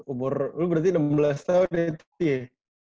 umur lu berarti enam belas tahun dari itu ya